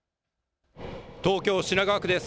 東京品川区です。